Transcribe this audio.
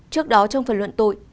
trước đó trong phần luận tội